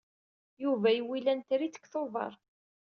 Yuba yewwi lantrit deg Tubeṛ.